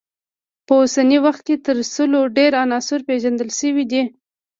په اوسني وخت کې تر سلو ډیر عناصر پیژندل شوي دي.